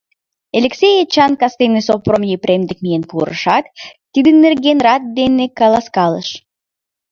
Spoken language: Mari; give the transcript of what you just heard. Элексей Эчан кастене Сопром Епрем дек миен пурышат, тидын нерген рат дене каласкалыш.